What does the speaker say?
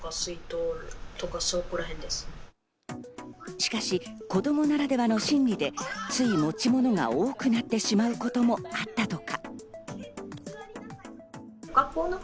しかし子供ならではの心理で、つい持ち物が多くなってしまうこともあったとか。